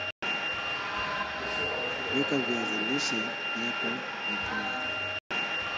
weka viazi lishe vyako vipoe